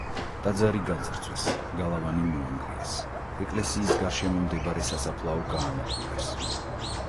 ტაძარი გაძარცვეს, გალავანი მოანგრიეს, ეკლესიის გარშემო მდებარე სასაფლაო გაანადგურეს.